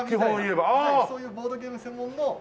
そういうボードゲーム専門の。